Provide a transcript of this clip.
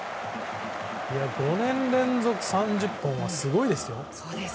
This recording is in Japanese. ５年連続３０本はすごいですよ。